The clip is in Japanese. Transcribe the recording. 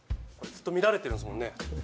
これずっと見られてるんですもんね。